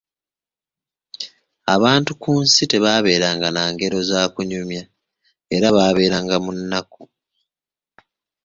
Abantu ku nsi tebaalinanga ngero za kunyumya era baabeeranga mu nnaku.